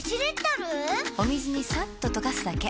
お水にさっと溶かすだけ。